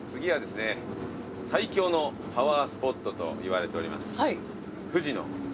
最強のパワースポットといわれております。